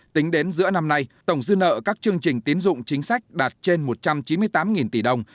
tính đến giữa năm nay tổng dư nợ các chương trình tiến dụng chính sách đạt trên một trăm chín mươi tám tỷ đồng